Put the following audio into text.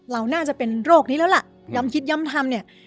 เราน่าจะเป็นโรคนี้แล้วล่ะย้ำคิดย้ำทำเนี่ย